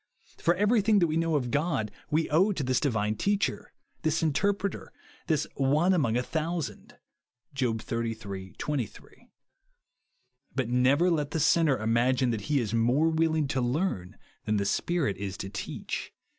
For ever^^thing that we know of God we owe to this divine Teacher, this Interpreter, this " One among a thou sand," (Job xxxiii. 23). But never let the sinner imagine that he is more willing to learn than the Spirit is to teach.